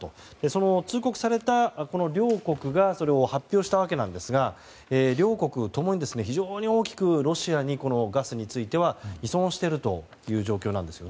その通告された両国がそれを発表したわけなんですが両国共に非常に大きくロシアにガスについては依存しているという状況です。